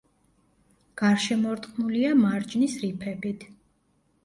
გარშემორტყმულია მარჯნის რიფებით.